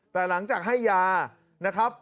แต่หลังจากให้ยานะครับ